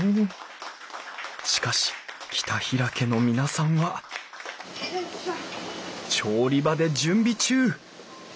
しかし北平家の皆さんは調理場で準備中。